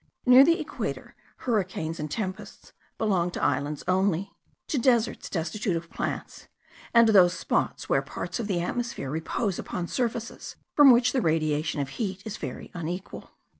Near the equator, hurricanes and tempests belong to islands only, to deserts destitute of plants, and to those spots where parts of the atmosphere repose upon surfaces from which the radiation of heat is very unequal.